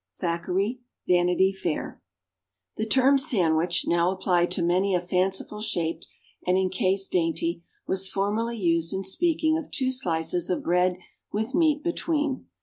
Thackeray ("Vanity Fair"). The term "sandwich," now applied to many a fanciful shaped and encased dainty, was formerly used in speaking of "two slices of bread with meat between."